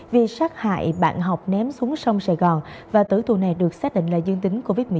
vì sát hại bạn học ném xuống sông sài gòn và tử tù này được xác định là dương tính covid một mươi chín